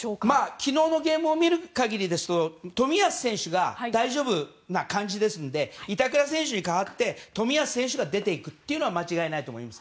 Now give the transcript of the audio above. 昨日のゲームを見る限りですと冨安選手が大丈夫な感じですので板倉選手に代わって冨安選手が出て行くのは間違いないと思います。